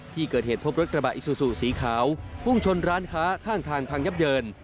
ที่เกิดเหตุพบรถกระบะอิซูซูสีขาวพุ่งชนร้านค้าข้างทางพังยับเยิน